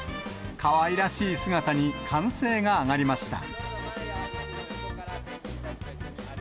かわいらしい姿に、歓声が上がりました。